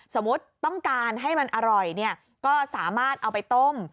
สมมุติต้องการให้มันอร่อยก็สามารถเอาไปต้ม